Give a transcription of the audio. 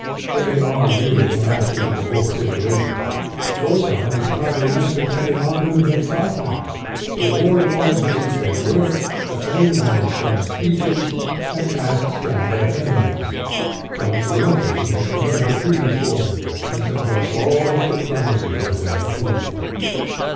They are really the masters of the whole situation. Wotan is hardly less dependent on them than Fafnir; the War Lord visits their work, acclaims them in stirring speeches, and casts down their enemies; whilst Loki makes commercial treaties for them and subjects all his diplomacy to their approval.